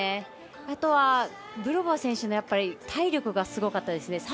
あとはブルホバー選手の体力がすごかったですね。